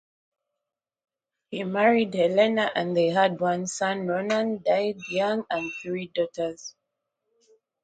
He married Helena and they had one son Ronan died young and three daughters.